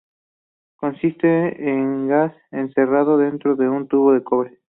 Consiste en un gas encerrado dentro de un tubo de cobre.